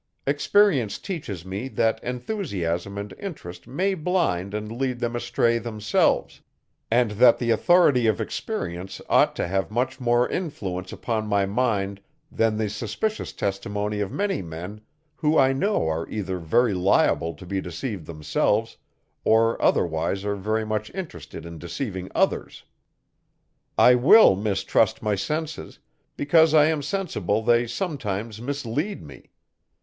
Experience teaches me, that enthusiasm and interest may blind and lead them astray themselves; and that the authority of experience ought to have much more influence upon my mind, than the suspicious testimony of many men, who I know are either very liable to be deceived themselves, or otherwise are very much interested in deceiving others. I will mistrust my senses; because I am sensible they sometimes mislead me.